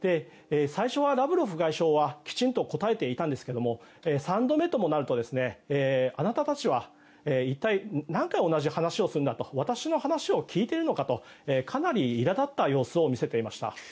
最初はラブロフ外相はきちんと答えていたんですが３度目ともなるとあなたたちは一体、何回同じ話をするんだと私の話を聞いているのかとかなりいら立った様子を見せていました。